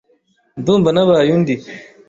Ndumva nabaye undi.